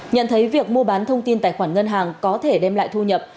nhận thấy việc mua bán thông tin tài khoản ngân hàng có thể đem lại thu nhập